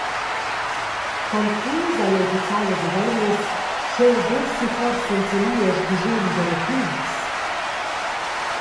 Confus hai jeu gizzau las ureglias, sch’jeu udessi forsa enzanua sguschem da ratuns.